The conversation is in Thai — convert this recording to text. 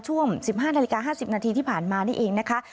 ช่วง๑๕นาฬิกา๕๐นาทีที่ผ่านมานี่เองนะคะ